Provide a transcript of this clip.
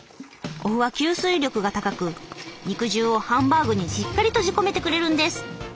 お麩は吸水力が高く肉汁をハンバーグにしっかり閉じ込めてくれるんです。